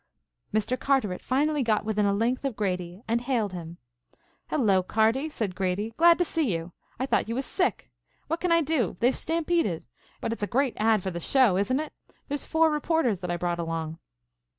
Mr. Carteret finally got within a length of Grady and hailed him. "Hello, Carty," said Grady, "glad to see you. I thought you was sick. What can I do? They've stampeded. But it's a great ad. for the show, isn't it? There's four reporters that I brought along."